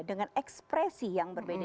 dengan ekspresi yang berbeda